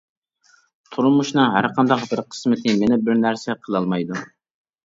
تۇرمۇشنىڭ ھەرقانداق بىر قىسمىتى مېنى بىرنەرسە قىلالمايدۇ.